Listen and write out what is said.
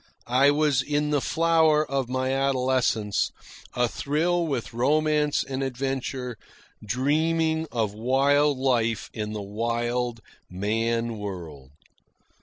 I was in the flower of my adolescence, a thrill with romance and adventure, dreaming of wild life in the wild man world.